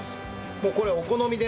もうこれお好みでね。